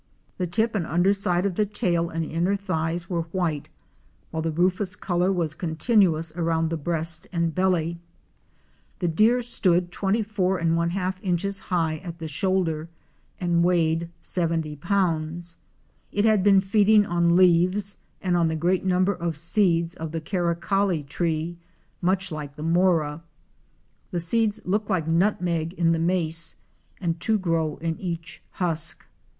The tip and under side of the tail and inner thighs were white, while the rufous color was continuous around the breast and belly. The deer stood 244 inches high at the shoulder and weighed 7o pounds. It had been feeding on leaves and on a great number of seeds of the Kakaralli tree, much like the mora. The seeds look like nutmeg in the mace, and two grow in each husk.